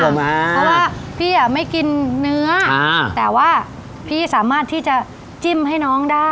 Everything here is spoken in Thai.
เพราะว่าพี่อ่ะไม่กินเนื้อแต่ว่าพี่สามารถที่จะจิ้มให้น้องได้